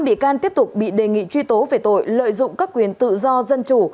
năm bị can tiếp tục bị đề nghị truy tố về tội lợi dụng các quyền tự do dân chủ